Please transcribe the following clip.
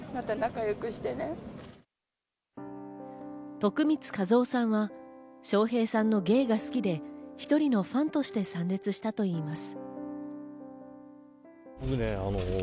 徳光和夫さんは笑瓶さんの芸が好きで、１人のファンとして参列したといいます。